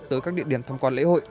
tới các địa điểm thăm quan lễ hội